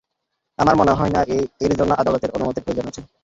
আমার মনে হয় না এর জন্য আদালতের অনুমতির প্রয়োজন আছে।